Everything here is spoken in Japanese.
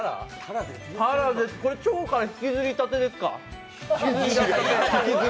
これ、腸から引きずりたてですか？